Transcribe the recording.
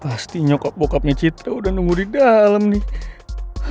pasti nyokap bokapnya citra udah nunggu di dalem nih